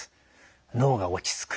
脳が落ち着く。